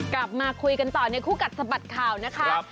กลับมาคุยกันต่อในคู่กัดสะบัดข่าวนะคะ